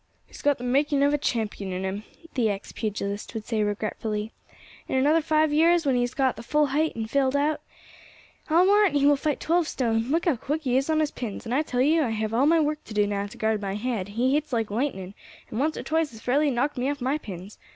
"He's got the making of a champion in him," the ex pugilist would say regretfully; "in another five years, when he has got his full height and filled out, I warrant he will fight twelve stone; look how quick he is on his pins; and I tell you I have all my work to do now to guard my head, he hits like lightning, and once or twice has fairly knocked me off my pins.